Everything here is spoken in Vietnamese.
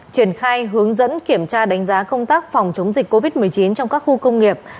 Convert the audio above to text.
triển khai hướng dẫn kiểm tra đánh giá công tác phòng chống dịch covid một mươi chín trong các khu công nghiệp